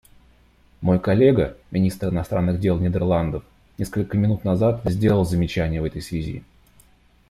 Мой коллега, министр иностранных дел Нидерландов, несколько минут назад сделал замечание в этой связи.